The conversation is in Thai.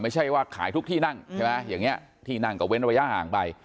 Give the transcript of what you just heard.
ไม่ใช่ว่าขายทุกที่นั่งที่นั่งกับเว้นระยะห่างไป